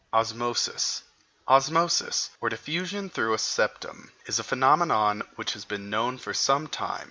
OSMOSIS Osmosis, or diffusion through a septum, is a phenomenon which has been known for some time.